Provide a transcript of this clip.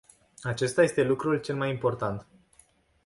Acesta este lucrul cel mai important.